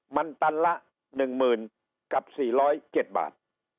มันตันละ๑๐๐๐กับ๔๐๗บาท